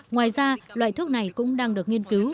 ngoài ra loại thuốc này cũng đang được nghiên cứu